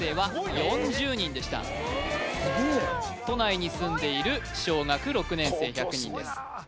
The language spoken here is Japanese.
都内に住んでいる小学６年生１００人です